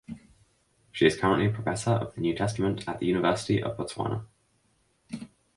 She is currently Professor of New Testament at the University of Botswana.